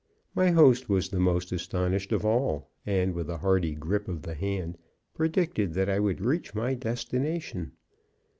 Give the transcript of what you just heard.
My host was the most astonished of all, and, with a hearty grip of the hand, predicted that I would reach my destination.